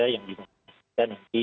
yang dimaksudkan nanti